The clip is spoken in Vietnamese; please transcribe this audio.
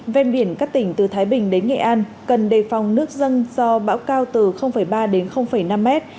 ven biển các tỉnh từ thái bình đến nghệ an cần đề phòng nước dân do bão cao từ ba đến năm mét